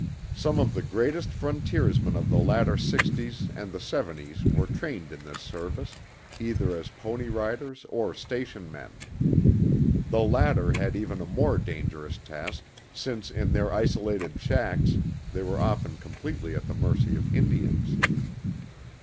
Some of the greatest frontiersmen of the latter 'sixties and the 'seventies were trained in this service, either as pony riders or station men. The latter had even a more dangerous task, since in their isolated shacks they were often completely at the mercy of Indians.